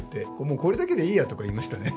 もうこれだけでいいやとか言いましたね。